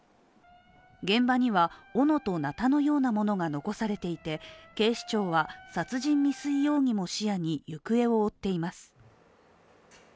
現場にはおのとなたのようなものが残されていて警視庁は殺人未遂容疑も視野に行方を追っています。